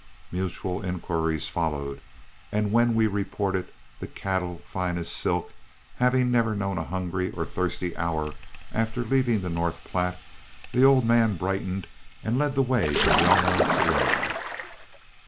Mutual inquiries followed, and when we reported the cattle fine as silk, having never known a hungry or thirsty hour after leaving the North Platte, the old man brightened and led the way to a well known saloon.